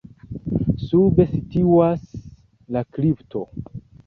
Sube situas la kripto.